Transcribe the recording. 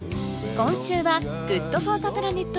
今週はＧｏｏｄＦｏｒｔｈｅＰｌａｎｅｔ